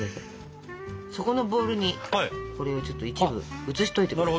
そこのボウルにこれをちょっと一部移しといて下さい。